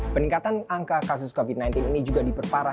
peningkatan angka kasus covid sembilan belas ini juga diperparah